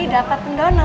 api dapat pendonor